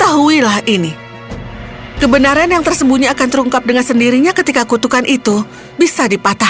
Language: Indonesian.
aku hanya ingin tempat berteduh dan juga makan malam yang hangat